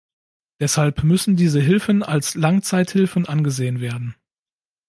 Deshalb müssen diese Hilfen als Langzeithilfen angesehen werden.